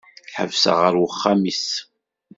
Ḥebseɣ ɣur uxxam-is.